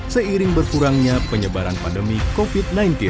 seiring berkurangnya penyebaran pandemi covid sembilan belas